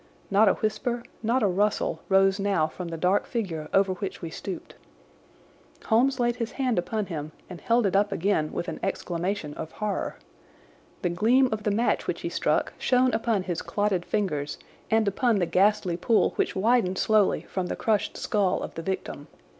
Not a whisper, not a rustle, rose now from the dark figure over which we stooped. Holmes laid his hand upon him and held it up again with an exclamation of horror. The gleam of the match which he struck shone upon his clotted fingers and upon the ghastly pool which widened slowly from the crushed skull of the victim.